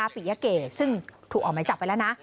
ปิยะเกดซึ่งถูกออกหมายจับไปแล้วนะ